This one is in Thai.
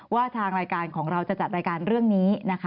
ว่าทางรายการของเราจะจัดรายการเรื่องนี้นะคะ